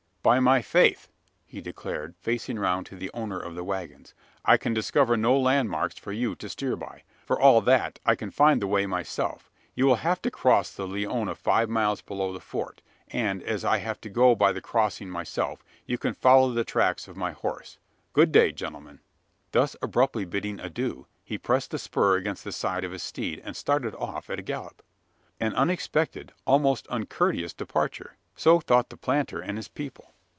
"By my faith!" he declared, facing round to the owner of the waggons, "I can discover no landmarks for you to steer by. For all that, I can find the way myself. You will have to cross the Leona five miles below the Fort; and, as I have to go by the crossing myself, you can follow the tracks of my horse. Good day, gentlemen!" Thus abruptly bidding adieu, he pressed the spur against the side of his steed; and started off at a gallop. An unexpected almost uncourteous departure! So thought the planter and his people.